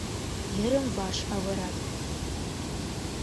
Йырым-ваш авырат